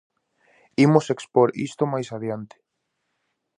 Imos expor isto máis adiante.